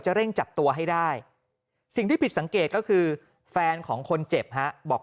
เร่งจับตัวให้ได้สิ่งที่ผิดสังเกตก็คือแฟนของคนเจ็บฮะบอก